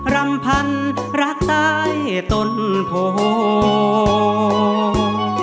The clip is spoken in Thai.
รำพันรักตายตนโพธิ